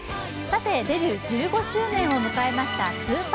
デビュー１５周年を迎えました